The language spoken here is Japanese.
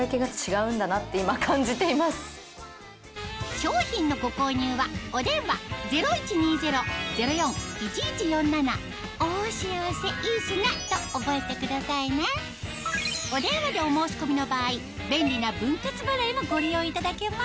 商品のご購入はお電話０１２０−０４−１１４７と覚えてくださいねお電話でお申し込みの場合便利な分割払いもご利用いただけます